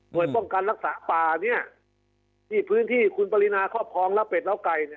หน่วยป้องกันรักษาป่านี่ที่พื้นที่คุณปริณาครอบครองละเป็ดล้าวไก่